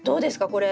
これ。